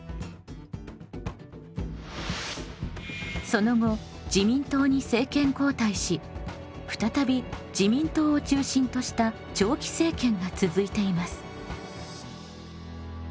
その後自民党に政権交代し再び自民党を中心とした長期政権が続いています。